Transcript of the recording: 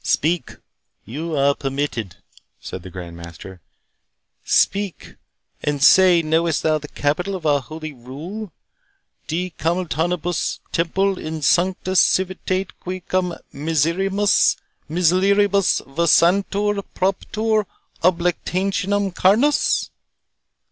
"Speak, you are permitted," said the Grand Master—"speak, and say, knowest thou the capital of our holy rule,—'De commilitonibus Templi in sancta civitate, qui cum miserrimis mulieribus versantur, propter oblectationem carnis?